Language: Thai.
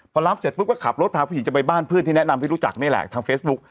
พอรับเสร็จปุ๊บก็ขับรถพาผู้หญิงจะไปบ้านเพื่อนที่แนะนำให้รู้จักนี่แหละทางเฟซบุ๊ค